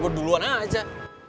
gue duluan aja